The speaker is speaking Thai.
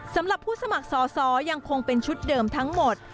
สำหรับผู้สมัครสอสอยังคงเป็นชุดเดิมทั้งหมด